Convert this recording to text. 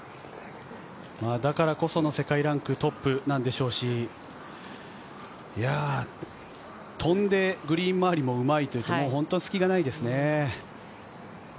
だからこその世界ランクトップなんでしょうし、飛んで、グリーン周りもうまいという、隙がないですね。